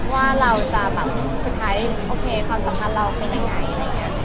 ว่าเราจะสุดท้ายความสัมพันธ์เราเป็นยังไง